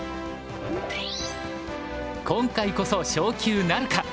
今回こそ昇級なるか？